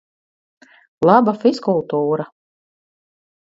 Laba fizkultūra!